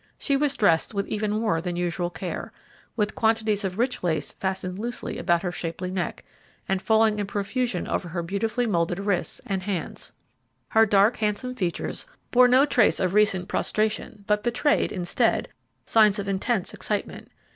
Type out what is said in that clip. She was dressed with even more than usual care, with quantities of rich lace fastened loosely about her shapely neck and falling in profusion over her beautifully moulded wrists and hands. Her dark, handsome features bore no trace of recent prostration, but betrayed, instead, signs of intense excitement.